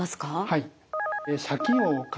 はい。